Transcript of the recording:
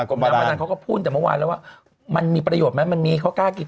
การพนันเขาก็พูดแต่เมื่อวานแล้วว่ามันมีประโยชน์ไหมมันมีเขากล้ากิน